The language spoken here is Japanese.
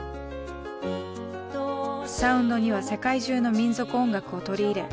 サウンドには世界中の民俗音楽を取り入れ